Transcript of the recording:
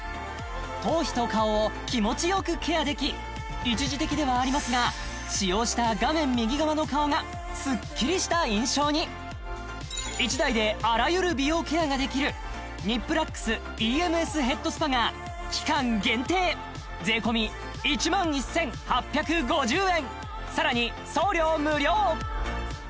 頭皮と顔を気持ちよくケアでき一時的ではありますが使用した画面右側の顔がスッキリした印象に１台であらゆる美容ケアができるＮＩＰＬＵＸＥＭＳヘッドスパが期間限定税込１万１８５０円